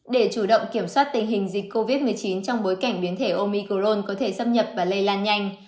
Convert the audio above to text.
để chủ động kiểm soát tình hình dịch covid một mươi chín trong bối cảnh biến thể omicron có thể xâm nhập và lây lan nhanh